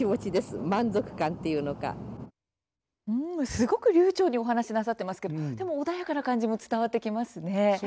すごく流ちょうにお話しなさってますけどでも穏やかな感じも伝わってきますね。